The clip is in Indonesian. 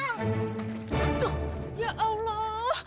aduh ya allah